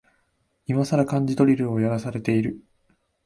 いまさら漢字ドリルをやらされてる